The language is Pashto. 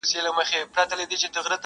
یو په بل کي ورکېدلای،